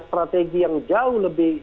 strategi yang jauh lebih